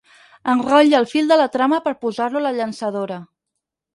Enrotlla el fil de la trama per posar-lo a la llançadora.